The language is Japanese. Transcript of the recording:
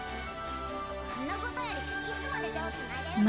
んなことよりいつまで手をつないでるんだぞ！